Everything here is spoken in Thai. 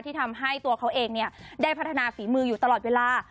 ที่ทำให้ตัวเขาเองได้พัฒนาฝีมืออยู่ตลอดเวลา